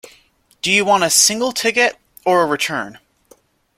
Do you want a single ticket, or a return?